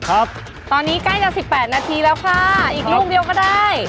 ครับตอนนี้ใกล้จะสิบแปดนาทีแล้วค่ะอีกลูกเดียวก็ได้